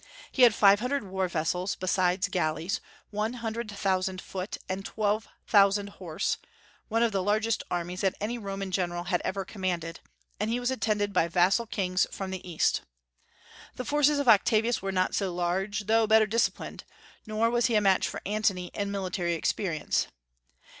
He had five hundred war vessels, beside galleys, one hundred thousand foot and twelve thousand horse, one of the largest armies that any Roman general had ever commanded, and he was attended by vassal kings from the East. The forces of Octavius were not so large, though better disciplined; nor was he a match for Antony in military experience.